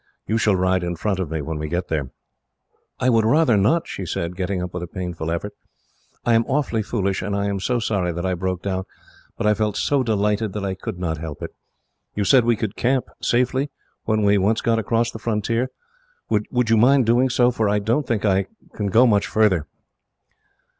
You shall ride in front of me, when we get there." "I would rather not," she said, getting up with a painful effort. "I am awfully foolish, and I am so sorry that I broke down, but I felt so delighted that I could not help it. You said we could camp, safely, when we once got across the frontier. Would you mind doing so? For I don't think I could go much farther."